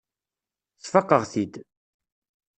Sfaqeɣ-t-id.